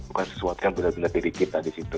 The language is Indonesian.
bukan sesuatu yang benar benar diri kita di situ